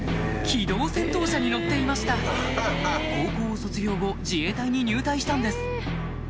機動戦闘車に乗っていました高校を卒業後自衛隊に入隊したんです